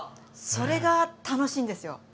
それが楽しいんですよ。